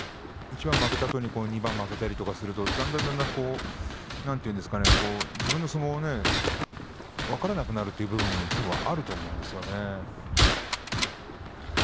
一番負けて、２番負けてだんだんだんだん自分の相撲が分からなくなるということもあると思うんですね。